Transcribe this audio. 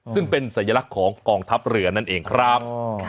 ซึ่งเป็นสัญลักษณ์ของกองทัพเรือนั่นเองครับ